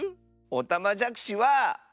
おたまじゃくしは。